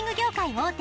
大手